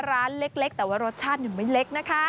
ร้านเล็กแต่ว่ารสชาติไม่เล็กนะคะ